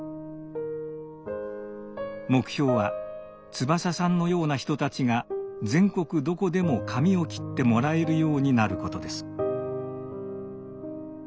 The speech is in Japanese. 目標は翼さんのような人たちが全国どこでも髪を切ってもらえるようになることです。